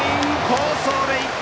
好走塁！